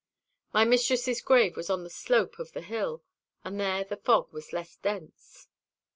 My mistress's grave was on the slope of the hill, and there the fog was less dense.